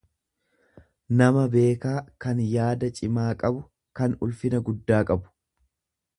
nama beekaa, kan yaada cimaa qabu, kan ulfina guddaa qabu.